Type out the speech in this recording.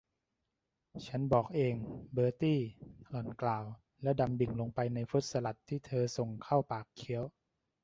ฉันบอกเองเบอร์ตี้ หล่อนกล่าว แล้วดำดิ่งลงไปในฟรุ้ตสลัดที่เธอส่งเข้าปากเคี้ยว